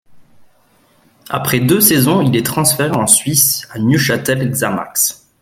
Après deux saisons, il est transféré en Suisse, à Neuchâtel Xamax.